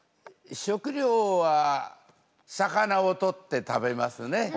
食料は魚をとって食べますね。